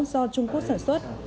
do trung quốc sản xuất